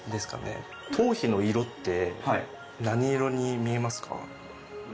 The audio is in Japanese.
頭皮の色って何色に見えますか？